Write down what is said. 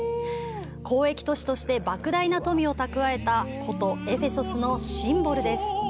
交易都市として莫大な富を蓄えた古都エフェソスのシンボルです。